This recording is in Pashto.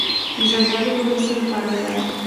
د زردالو ګل د څه لپاره وکاروم؟